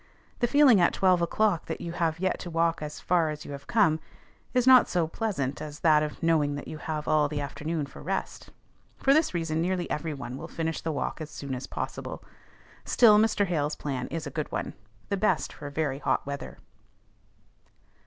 The feeling at twelve o'clock that you have yet to walk as far as you have come is not so pleasant as that of knowing you have all the afternoon for rest. For this reason nearly every one will finish the walk as soon as possible; still Mr. Hale's plan is a good one the best for very hot weather.